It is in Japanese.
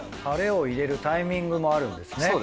タレを入れるタイミングもあるんですね。